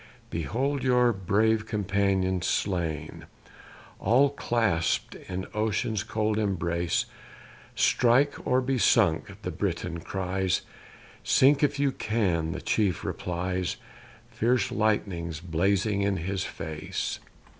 Behold your brave companions slain, All clasp'd in ocean's cold embrace; STRIKE, OR BE SUNK the Briton cries SINK IF YOU CAN the chief replies, Fierce lightnings blazing in his face.